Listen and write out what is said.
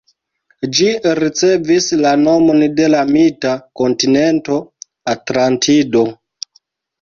Ĝi ricevis la nomon de la mita kontinento Atlantido.